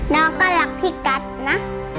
น้องก็รักพี่กัดนะ